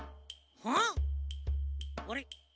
あれ？